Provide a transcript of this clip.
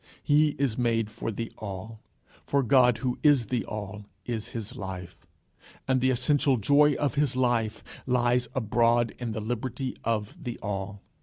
He is made for the All, for God, who is the All, is his life. And the essential joy of his life lies abroad in the liberty of the All.